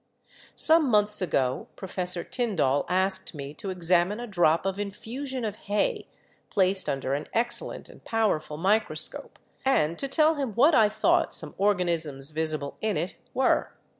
"Some months ago Professor Tyndall asked me to ex amine a drop of infusion of hay, placed under an excellent and powerful microscope, and to tell him what I thought some organisms visible in it were.